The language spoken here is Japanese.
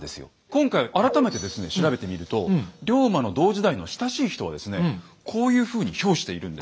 今回改めてですね調べてみると龍馬の同時代の親しい人はですねこういうふうに評しているんですよ。